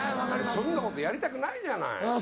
そんなことやりたくないじゃない。